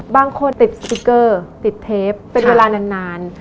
บางคนติดสติ๊กเกอร์ติดเทปเป็นเวลานาน